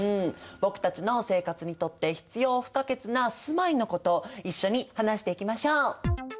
僕たちの生活にとって必要不可欠な住まいのこと一緒に話していきましょう！